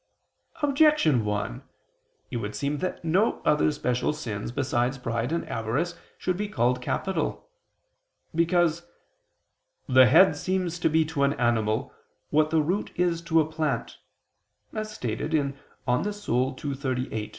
Objection 1: It would seem that no other special sins, besides pride and avarice, should be called capital. Because "the head seems to be to an animal, what the root is to a plant," as stated in De Anima ii, text.